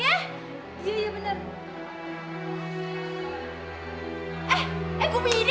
kalau gracio alami kejadiannya mirip dan sama sama kenangan dia